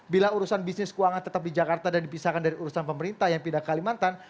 bila urusan bisnis keuangan tetap di jakarta dan dipisahkan dari urusan pemerintah yang pindah ke kalimantan